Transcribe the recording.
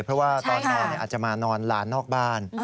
เพราะว่าตอนนอนอาจจะมานอนหลานนอกบ้าน